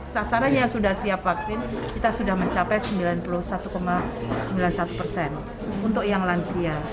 sasarannya sudah siap vaksin kita sudah mencapai sembilan puluh satu sembilan puluh satu persen untuk yang lansia